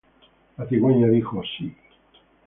La cigüeña dijo ¡Sí!